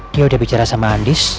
dia udah bicara sama andis